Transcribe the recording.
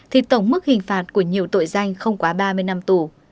thì tổng mức hình phạt của nhiều tội danh không quá ba mươi năm tù